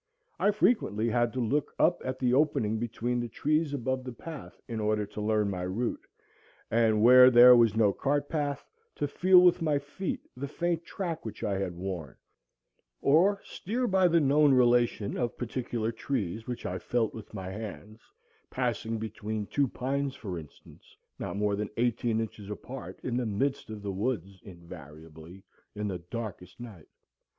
I frequently had to look up at the opening between the trees above the path in order to learn my route, and, where there was no cart path, to feel with my feet the faint track which I had worn, or steer by the known relation of particular trees which I felt with my hands, passing between two pines for instance, not more than eighteen inches apart, in the midst of the woods, invariably, in the darkest night.